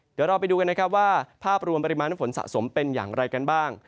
เดี๋ยวเราไปดูกันนะครับว่าภาพรวมปริมาณฝนสะสมเป็นอย่างไรกันบ้าง